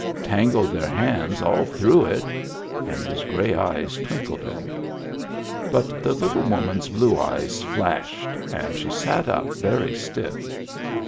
" Tangled their hands all through it." And his gray eyes twinkled at me. But the little woman's blue eyes flashed and she sat up very stiff.